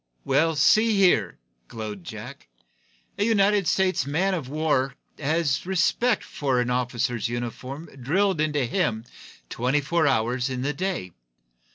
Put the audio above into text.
"Why, see here," glowed Jack, "a United States Man of warsman has respect for an officer's uniform drilled into him twenty four hours in the day.